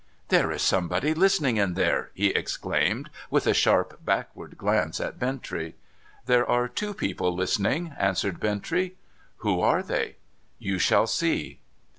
' There is somebody listening in there !' he exclaimed, with a sharp backward glance at Bintrey. ' There are two people listening,' answered Bintrey. ' Who are they ?'' You shall see.'